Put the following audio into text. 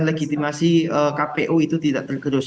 legitimasi kpu itu tidak tergerus